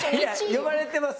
呼ばれてます。